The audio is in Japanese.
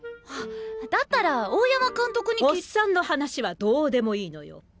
だったら大山監督に。オッサンの話はどでもいいのよ。